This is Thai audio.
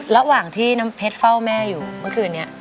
ระหว่างที่น้ำเพชรเฝ้าแม่อยู่เมื่อคืนนี้